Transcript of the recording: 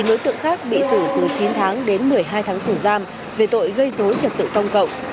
chín đối tượng khác bị xử từ chín tháng đến một mươi hai tháng tù giam về tội gây dối trật tựu tổng cộng